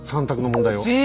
３択の問題を。